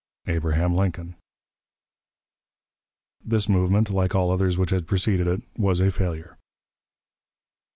"ABRAHAM LINCOLN." This movement, like all others which had preceded it, was a failure.